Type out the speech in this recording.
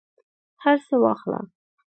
هرڅه واخله